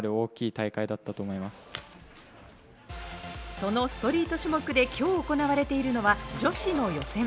そのストリート種目で今日、行われているのは女子の予選。